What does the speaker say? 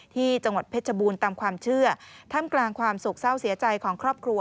ที่จังหวัดเพชรบูรณ์ตามความเชื่อท่ามกลางความโศกเศร้าเสียใจของครอบครัว